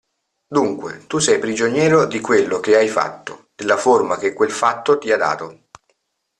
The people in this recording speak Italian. Dunque, tu sei prigioniero di quello che hai fatto, della forma che quel fatto ti ha dato.